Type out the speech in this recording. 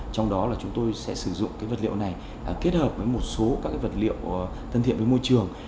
trong đó là chúng tôi sẽ sử dụng cái vật liệu này kết hợp với một số các vật liệu thân thiện với môi trường